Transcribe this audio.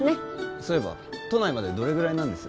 そういえば都内までどれぐらいなんです？